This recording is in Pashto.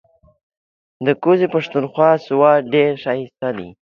ده کوزی پښتونخوا سوات ډیر هائسته دې